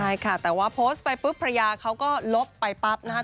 ใช่ค่ะแต่ว่าโพสต์ไปปุ๊บภรรยาเขาก็ลบไปปั๊บนะครับ